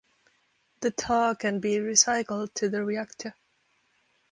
The tar can be recycled to the reactor.